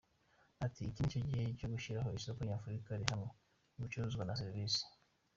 Ati “ Iki ni cyo gihe cyo gushyiraho isoko Nyafurika rihamye, mu bicuruzwa, na serivisi.